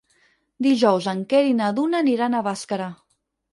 Dijous en Quer i na Duna aniran a Bàscara.